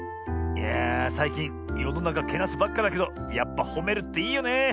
いやあさいきんよのなかけなすばっかだけどやっぱほめるっていいよね。